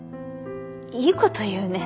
いいこと言うね